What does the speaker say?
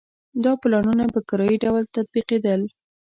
دا پلانونه په کرایي ډول تطبیقېدل.